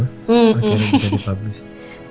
akhirnya bisa di publish